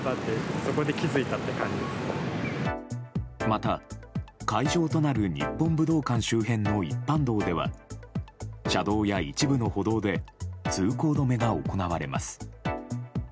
また、会場となる日本武道館周辺の一般道では車道や一部の歩道で通行止めが行われます。